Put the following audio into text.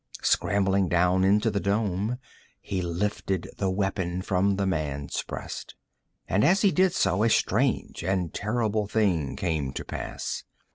Scrambling down into the dome, he lifted the weapon from the man's breast. And as he did so, a strange and terrible thing came to pass.